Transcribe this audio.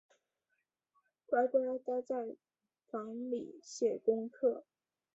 乖乖待在房里写功课